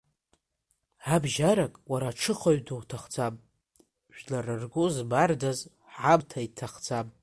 Абжьарак, уара аҽыхаҩ дуҭахӡам, жәлар ргәы змардаз ҳамҭа иҭахӡам.